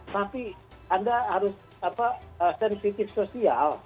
tapi anda harus sensitif sosial